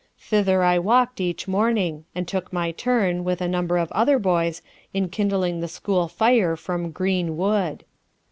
Thither I walked each morning, and took my turn, with a number of other boys, in kindling the school fire from green wood.